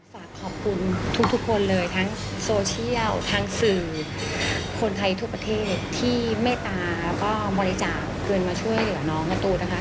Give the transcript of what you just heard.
ฝากขอบคุณทุกคนเลยทั้งโซเชียลทั้งสื่อคนไทยทุกประเทศที่เมตตาแล้วก็บริจาคเงินมาช่วยเหลือน้องการ์ตูนนะคะ